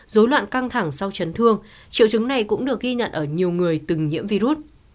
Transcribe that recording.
dối loạn căng thẳng sau chấn thương triệu chứng này cũng được ghi nhận ở nhiều người từng nhiễm virus